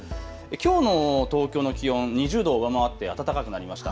きょうの東京の気温２０度を上回って暖かくなりました。